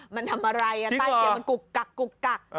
มันทำอะไรใต้เตียงมันกุกกักกุกกัก